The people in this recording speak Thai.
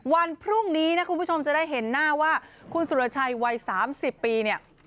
วันพรุ่งนี้นะคุณผู้ชมจะได้เห็นหน้าว่าคุณสุรชัยวัย๓๐ปีเนี่ย